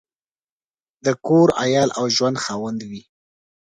د کور، عیال او ژوند خاوند وي.